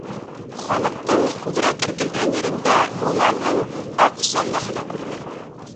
Халыҡтың күберәк эркелгән ерендә мулланың аҡ сәлләһе лә күренә.